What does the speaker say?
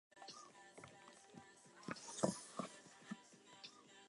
This was not an unfamiliar topic as he was a noted connoisseur.